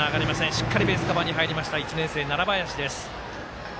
しっかりベースカバーに入りました、１年生、楢林です。